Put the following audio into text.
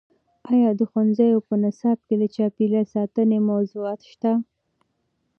ایا د ښوونځیو په نصاب کې د چاپیریال ساتنې موضوعات شته؟